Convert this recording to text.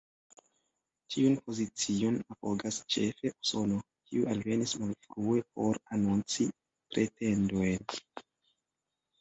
Tiun pozicion apogas ĉefe Usono, kiu alvenis malfrue por anonci pretendojn.